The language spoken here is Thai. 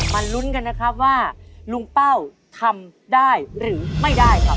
ลุ้นกันนะครับว่าลุงเป้าทำได้หรือไม่ได้ครับ